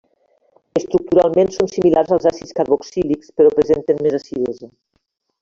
Estructuralment són similars als àcids carboxílics, però presenten més acidesa.